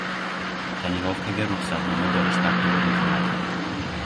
"Tonirovka"ga ruxsatnoma berish tartibi o‘zgardi